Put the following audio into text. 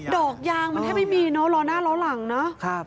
ดอกยางมันแทบไม่มีเนอะล้อหน้าล้อหลังเนาะ